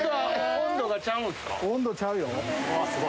温度ちゃうよ。